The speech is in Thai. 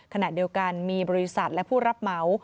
ขณะเดียวกันมีบริษัทและผู้รับเหมา